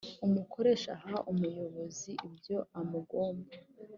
umukoresha aha umukozi ibyo amugomba